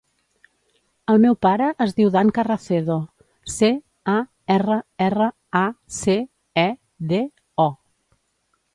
El meu pare es diu Dan Carracedo: ce, a, erra, erra, a, ce, e, de, o.